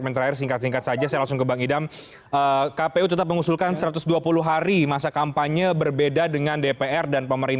masa durasinya ternyata tidak menemukan titik temu